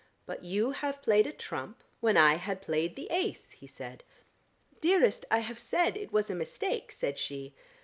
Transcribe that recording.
"But you have played a trump when I had played the ace," he said. "Dearest, I have said it was a mistake," said she.